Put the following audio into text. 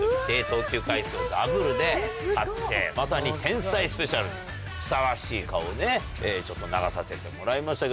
まさに天才スペシャルにふさわしい顔をね流させてもらいましたけど。